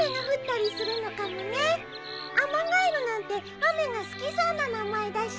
アマガエルなんて雨が好きそうな名前だし。